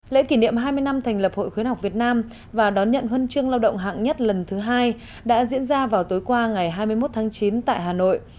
lễ kỷ niệm hai mươi năm thành lập hội khuyến học việt nam và đón nhận huân chương lao động hạng nhất lần thứ hai đã diễn ra vào tối qua ngày hai mươi một tháng chín tại hà nội